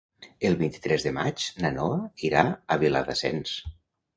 El vint-i-tres de maig na Noa irà a Viladasens.